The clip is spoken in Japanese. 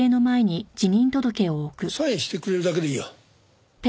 サインしてくれるだけでいいよ。